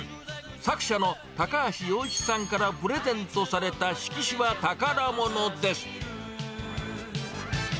作者の高橋陽一さんからプレゼントされた色紙は宝物です。